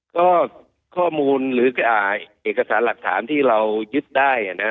ก็ข้อมูลหรือเอกสารหลักฐานที่เรายึดได้